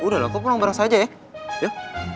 udah lah kau pulang bareng saja ya